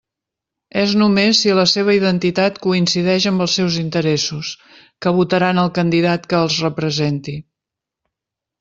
És només si la seva identitat coincideix amb els seus interessos, que votaran el candidat que els representi.